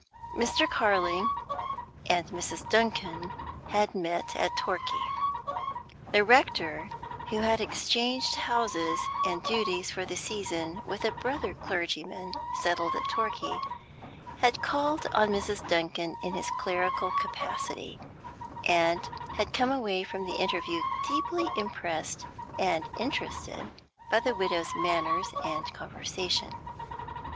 Mr. Carling and Mrs. Duncan had met at Torquay. The rector, who had exchanged houses and duties for the season with a brother clergyman settled at Torquay, had called on Mrs. Duncan in his clerical capacity, and had come away from the interview deeply impressed and interested by the widow's manners and conversation.